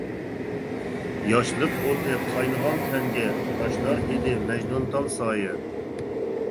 ياشلىق ئوتى قاينىغان تەنگە، تاشلار ئىدى مەجنۇنتال سايە.